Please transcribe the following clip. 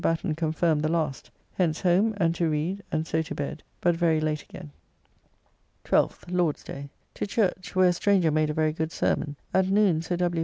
Batten confirm the last. Hence home and to read, and so to bed, but very late again. 12th (Lord's day). To church, where a stranger made a very good sermon. At noon Sir W.